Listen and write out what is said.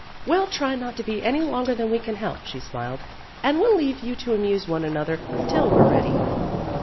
"We'll try not to be any longer than we can help," she smiled, "and we'll leave you to amuse one another till were ready."